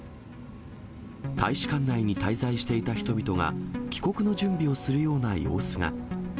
大使館内に滞在していた人々が、帰国の準備をするような様子が。